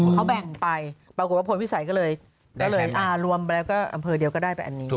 เขาแบ่งไปปรากฏว่าพลวิสัยก็เลยรวมไปแล้วก็อำเภอเดียวก็ได้ไปอันนี้